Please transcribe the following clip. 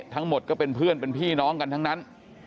ทั้งหมดก็เป็นเพื่อนเป็นพี่น้องกันทั้งนั้น